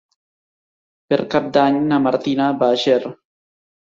Per Cap d'Any na Martina va a Ger.